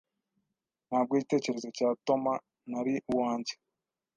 Ntabwo igitekerezo cya Toma. Nari uwanjye.